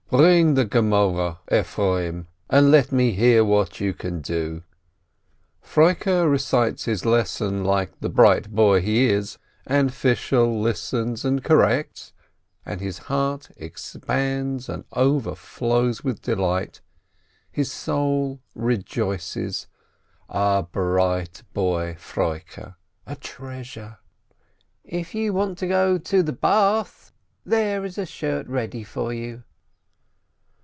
9 126 SHOLOM ALECHEM "Bring the Gemoreh, Efroim, and let me hear what you can do !" And Froike recites his lesson like the bright boy he is, and Fishel listens and corrects, and his heart expands and overflows with delight, his soul rejoices — a bright boy, Froike, a treasure ! "If you want to go to the bath, there is a shirt ready for you